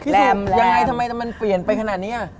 ยังไงทำไมแต่มันเปลี่ยนไปขนาดนี้อ่ะ